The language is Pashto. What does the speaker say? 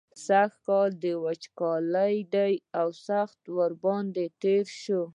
سږکال د وچکالۍ کال دی او سخت ورباندې تېر شوی.